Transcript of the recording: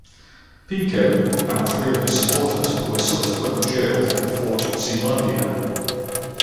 Piko and three of his supporters were subsequently jailed in Fort Zeelandia.